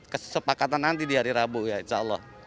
kesepakatan nanti di hari rabu ya insya allah